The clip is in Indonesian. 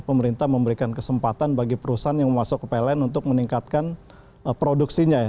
pemerintah memberikan kesempatan bagi perusahaan yang masuk ke pln untuk meningkatkan produksinya ya